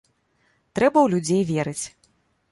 Трэба ў людзей верыць!